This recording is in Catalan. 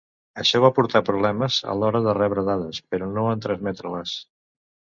Això va portar problemes a l'hora de rebre dades, però no en transmetre-les.